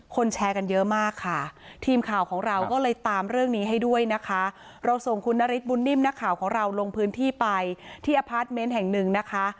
แชร์กันเยอะมากค่ะทีมข่าวของเราก็เลยตามเรื่องนี้ให้ด้วยนะคะเราส่งคุณนฤทธบุญนิ่มนักข่าวของเราลงพื้นที่ไปที่อพาร์ทเมนต์แห่งหนึ่งนะคะ